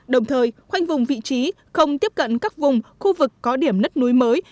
đồng thời khoanh vùng vị trí không tiếp cận các vùng khu vực có điểm nứt núi mới